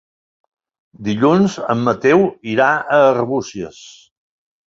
Dilluns en Mateu irà a Arbúcies.